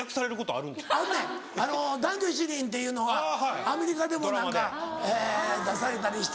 あんねん『男女７人』っていうのがアメリカでも出されたりして。